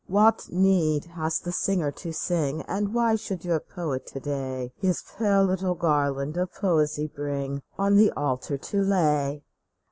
What need has the singer to sing f And why should your poet to day His pale little garland of poesy brings On the altar to lay